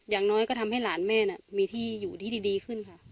อย่างน้อยก็ทำให้หลานแม่มีที่อยู่ที่ดีขึ้นค่ะ